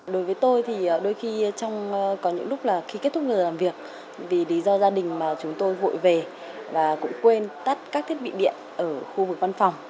đối với tôi thì đôi khi có những lúc là khi kết thúc ngày làm việc vì lý do gia đình mà chúng tôi vội về và cũng quên tắt các thiết bị điện ở khu vực văn phòng